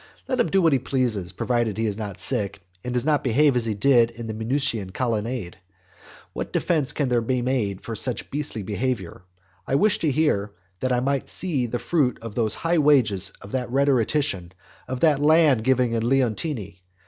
Let him do what he pleases, provided he is not sick, and does not behave as he did in the Minucian colonnade. What defence can be made for such beastly behaviour? I wish to hear, that I may see the fruit of those high wages of that rhetorician, of that land given in Leontini.